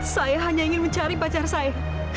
saya hanya ingin mencari pacar saya